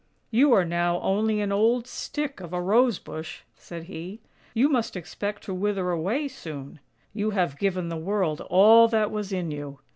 " You are now only an old stick of a Rose bush," said he; " you must expect to wither away soon. You have given the world all that was in you.